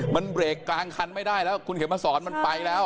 มันเบรกกลางคันไม่ได้แล้วคุณเข็มมาสอนมันไปแล้ว